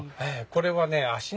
これはね